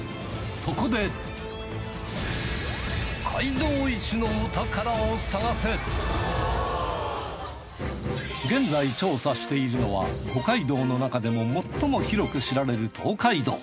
そこで現在調査しているのは五街道のなかでも最も広く知られる東海道。